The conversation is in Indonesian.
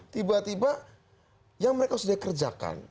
tiba tiba yang mereka sudah kerjakan